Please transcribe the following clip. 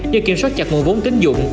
do kiểm soát chặt nguồn vốn tính dụng